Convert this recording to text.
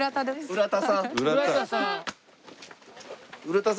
浦田さん